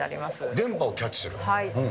電波をキャッチする。